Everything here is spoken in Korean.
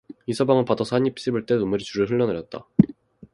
이서방은 받아서 한 입 씹을 때 눈물이 주르르 흘러내렸다.